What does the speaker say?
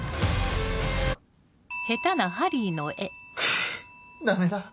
あダメだ。